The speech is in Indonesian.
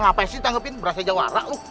ngapain sih tahanin berasa jawara lo